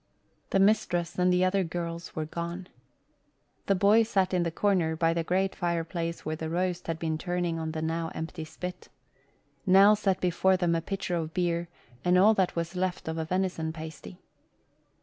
The mistress and the other girls were gone. The boy sat in the corner, by the great fireplace where the roast had been turning on the now empty spit. Nell set before them a pitcher of beer and all that was left of a venison pasty.